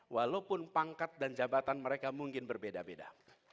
walaupun pangkat dan jabatan mereka mungkin berbeda beda